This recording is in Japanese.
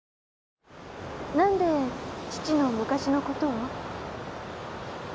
何で父の昔のことを？